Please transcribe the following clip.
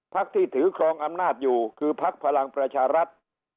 ภักดิ์ที่ถือครองอำนาจอยู่คือภักดิ์พลังประชารัฐ